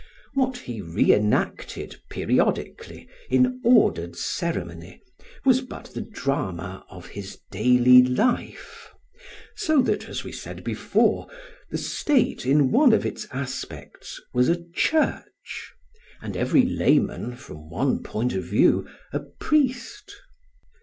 What he re enacted periodically, in ordered ceremony, was but the drama of his daily life; so that, as we said before, the state in one of its aspects was a church, and every layman from one point of view a priest.